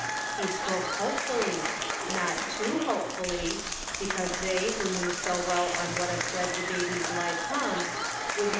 He spoke hopefully, not too hopefully, because they, who knew so well on what a thread the baby's life hung, would not The Answer.